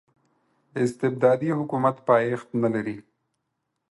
استبدادي حکومت پایښت نلري.